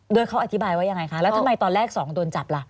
โดยเขาอธิบายว่ายังไงคะแล้วทำไมตอนแรกสองโดนจับล่ะ